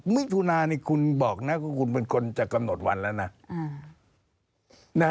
มิถุนานี่คุณบอกนะว่าคุณเป็นคนจะกำหนดวันแล้วนะ